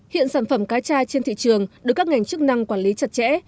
hiện sản phẩm cá tra trên thị trường được các ngành chức năng quản lý chặt chẽ